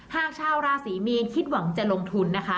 หากชาวราศรีมีนคิดหวังจะลงทุนนะคะ